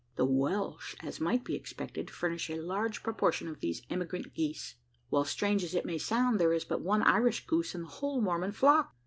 The Welsh, as might be expected, furnish a large proportion of these emigrant geese; while, strange as it may sound, there is but one Irish goose in the whole Mormon flock!